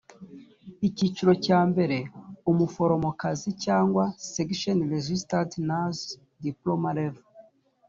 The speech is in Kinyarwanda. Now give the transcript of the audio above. icyiciro cya mbere umuforomokazi cyangwa section registered nurses diploma level